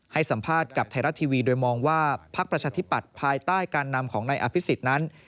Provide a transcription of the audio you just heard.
ให้สัมภาษณ์กับไทยรัฐทีวีโดยมองว่าพักประชาธิปัตย์ภายใต้การนำของนายอภิษฎนั้น